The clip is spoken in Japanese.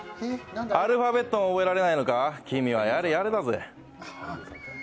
アルファベットも覚えられないのか、君はやれやれだぜ。